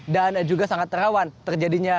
dan juga sangat terawan terjadinya